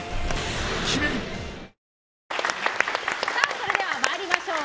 それでは参りましょう。